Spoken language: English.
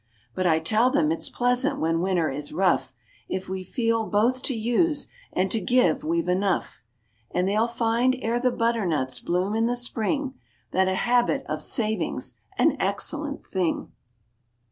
But I tell them it's pleasant when winter is rough, If we feel both to use and to give we've enough; And they'll find ere the butternuts bloom in the spring That a habit of saving's an excellent thing."